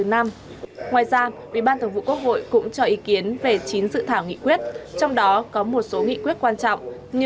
ngoài ra ubth cũng cho ý kiến về chín dự thảo nghị quyết trong đó có một số nghị quyết quan trọng như